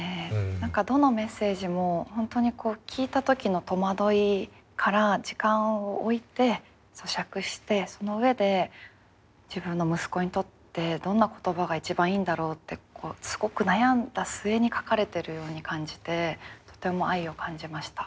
何かどのメッセージも本当にこう聞いた時の戸惑いから時間を置いてそしゃくしてその上で自分の息子にとってどんな言葉が一番いいんだろうってすごく悩んだ末に書かれてるように感じてとても愛を感じました。